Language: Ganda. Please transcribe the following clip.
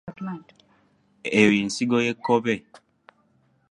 Eno y’ensigo y’ekkobe.